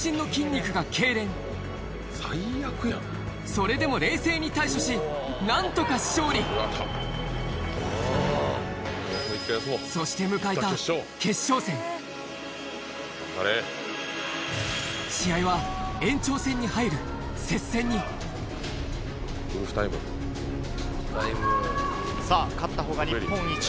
それでも冷静に対処し何とか勝利そして迎えた試合は延長戦に入る接戦にさぁ勝った方が日本一。